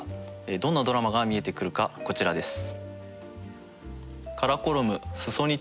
どんなドラマが見えてくるかこちらです。